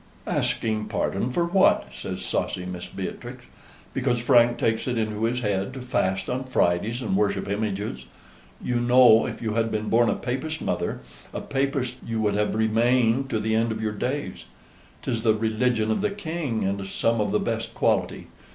"Asking pardon for what?" says saucy Mrs. Beatrix "because Frank takes it into his head to fast on Fridays and worship images? You know if you had been born a Papist, mother, a Papist you would have remained to the end of your days. 'Tis the religion of the King and of some of the best quality.